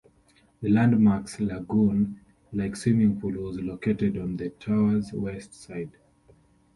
The Landmark's lagoon-like swimming pool was located on the tower's west side.